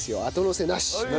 あとのせなし。